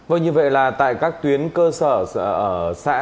vậy như vậy là tại các tuyến cơ sở xã